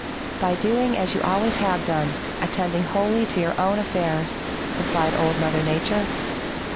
"'By doing as you always have done, attending wholly to your own affairs,' replied Old Mother Nature.